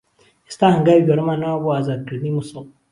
ئێستا هەنگاوی گەورەمان ناوە بۆ ئازادکردنی موسڵ